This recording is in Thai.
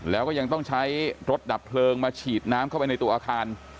แล้วก็ยังต้องใช้รถดับเพลิงมาฉีดน้ำเข้าไปในตัวอาคาร